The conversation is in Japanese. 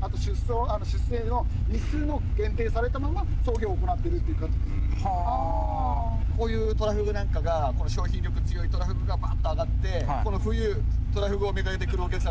あと日数も限定されたまま操業を行っているっていう形はあこういうトラフグなんかが商品力強いトラフグがバッと揚がってこの冬トラフグをめがけて来るお客さん